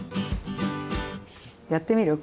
やってみる？